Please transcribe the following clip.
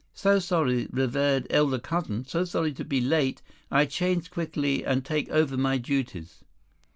"So sorry, revered elder cousin, so sorry to be late. I change quickly and take over my duties."